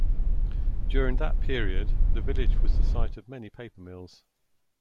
During that period, the village was the site of many paper mills.